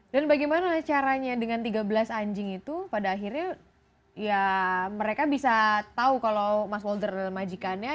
dan bagaimana caranya dengan tiga belas anjing itu pada akhirnya ya mereka bisa tahu kalau mas holder adalah majikannya